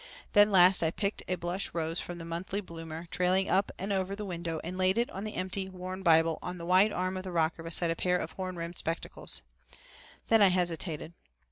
Then last I picked a blush rose from the monthly bloomer trailing up and over the window and laid it on the empty, worn old Bible on the wide arm of the rocker beside a pair of horn rimmed spectacles. Then I hesitated.